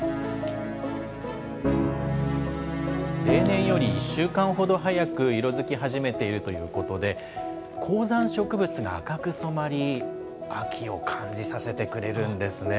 例年より１週間ほど早く色づき始めているということで、高山植物が赤く染まり、秋を感じさせてくれるんですね。